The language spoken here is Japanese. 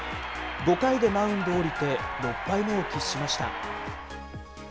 ５回でマウンドを降りて、６敗目を喫しました。